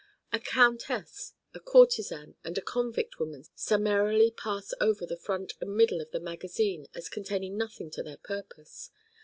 A countess, a courtesan and a convict woman summarily pass over the front and middle of the magazine as containing nothing to their purpose.